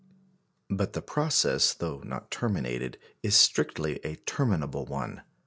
But the process, though not terminated, is strictly a terminable one.